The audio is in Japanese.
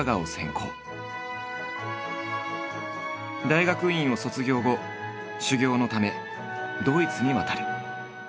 大学院を卒業後修業のためドイツに渡る。